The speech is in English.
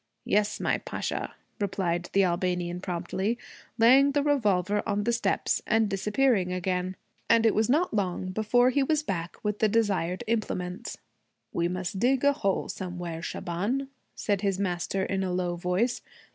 'Yes, my Pasha,' replied the Albanian promptly, laying the revolver on the steps and disappearing again. And it was not long before he was back with the desired implements. 'We must dig a hole, somewhere, Shaban,' said his master in a low voice.